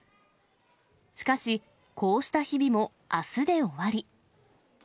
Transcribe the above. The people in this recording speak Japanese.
しかし、こうした日々もあすで終わり。